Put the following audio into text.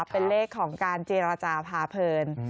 เป็นเลขของการเจรจาพาเพลิน